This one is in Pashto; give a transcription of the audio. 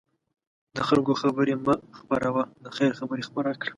د خلکو خبرې مه خپره وه، د خیر خبرې خپره کړه.